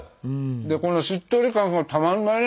でこのしっとり感がたまんないね。